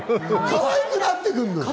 かわいくなってくんのよ。